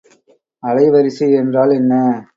அலைவரிசை என்றால் என்ன?